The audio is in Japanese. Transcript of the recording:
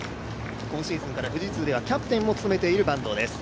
今シーズンから富士通ではキャプテンも務めている坂東です。